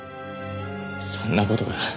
そんな事が。